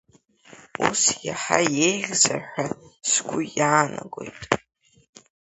Ус иаҳа иеиӷьзар ҳәа сгәы иаанагоит.